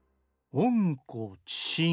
「おんこちしん」。